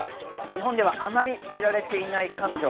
日本ではあまり知られていない彼女。